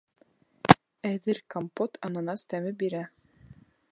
Әҙер компот ананас тәме бирә.